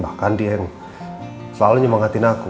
bahkan dia yang selalu nyemangatin aku